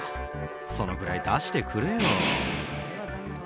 そのくらい出してくれよ。